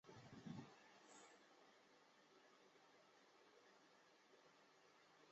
她与同为浙江选手的叶诗文是好友。